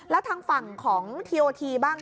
แล้วทางฝั่งของทีโอทีบ้าง